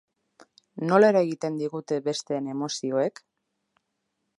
Nola eragiten digute besteen emozioek?